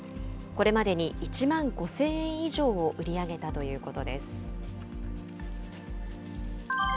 これまでに１万５０００円以上を売り上げたということです。